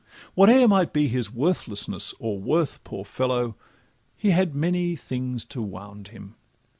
Whate'er might be his worthlessness or worth, Poor fellow! he had many things to wound him.